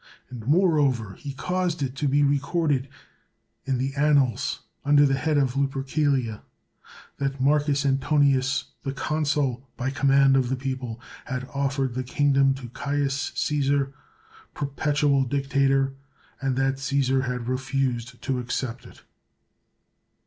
And, moreover, he caused it to be recorded in the annals, under the head of Lupercalia, That Marcus Antonius, the consul, by command of the people, had offered the king dom to Caius Caesar, perpetual dictator ; and that Cffisar had refused to accept it."